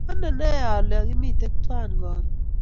Anene ale kimiten twan karon